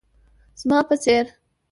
زما په څير